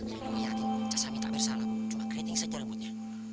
ya lo yakin saya minta bersalah cuma keriting saja rambutnya